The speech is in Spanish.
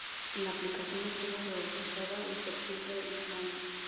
La aplicación estuvo rebautizada en septiembre del mismo año.